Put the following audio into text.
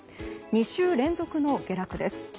２週連続の下落です。